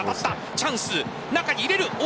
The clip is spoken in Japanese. チャンス、中に入れる。